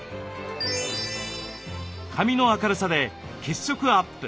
髪の明るさで血色アップ